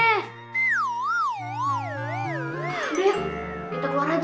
aduh kita keluar aja